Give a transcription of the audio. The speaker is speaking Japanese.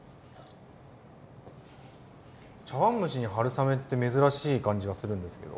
茶碗蒸しに春雨って珍しい感じがするんですけど。